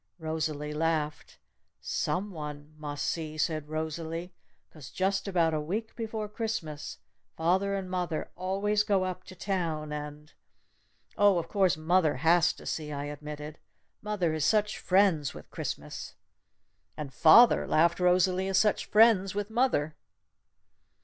Rosalee laughed. "Some one must see," said Rosalee. "'Cause just about a week before Christmas father and mother always go up to town and " "Oh, of course mother has to see!" I admitted. "Mother is such friends with Christmas!" "And father," laughed Rosalee, "is such friends with mother!"